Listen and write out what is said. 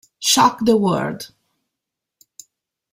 Shock the World".